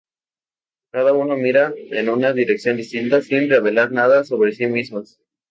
Cada uno mira en una dirección distinta, sin revelar nada sobre sí mismos.